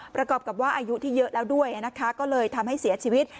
ประกอบกับว่าอายุที่เยอะแล้วด้วยนะคะก็เลยทำให้เสียชีวิต